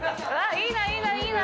いいないいないいな！